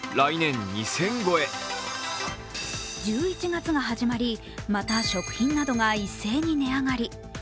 １１月が始まり、また食品などが一斉に値上がり。